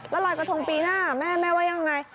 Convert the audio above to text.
แล้วลอยกระทงปีหน้าแม่แม่ว่ายังไง